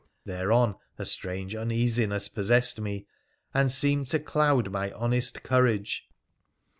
Thereon a strange uneasiness possessed me, and seemed to cloud my honest courage.